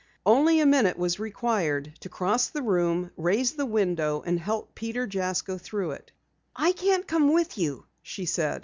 Only a minute was required to cross the room, raise the window and help Peter Jasko through it. "I can't come with you," she said.